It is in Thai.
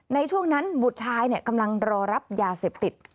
ในช่วงนั้นบุตรชายกำลังรอรับยาเสพติด